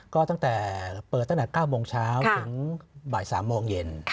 ก็ตั้งแต่เปิดตั้งแต่๙โมงเช้าถึงบ่าย๓โมงเย็น